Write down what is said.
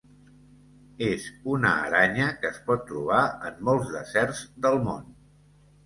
És una aranya que es pot trobar en molts deserts del món.